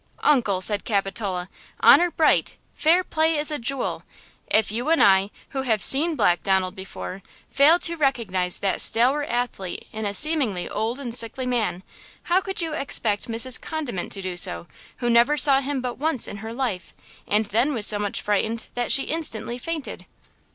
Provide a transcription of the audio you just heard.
"Uncle!" said Capitola, " 'Honor bright! Fair play is a jewel!' If you and I, who have seen Black Donald before, failed to recognize that stalwart athlete in a seemingly old and sickly man, how could you expect Mrs. Condiment to do so, who never saw him but once in her life, and then was so much frightened that she instantly fainted?"